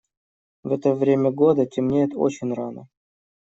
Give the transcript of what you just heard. В это время года темнеет очень рано.